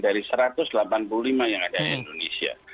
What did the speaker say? dari satu ratus delapan puluh lima yang ada di indonesia